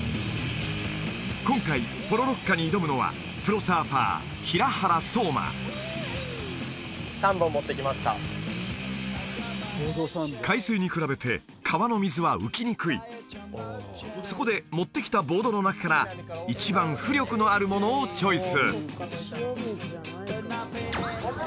今回ポロロッカに挑むのはプロサーファー平原颯馬海水に比べて川の水は浮きにくいそこで持ってきたボードの中から一番浮力のあるものをチョイス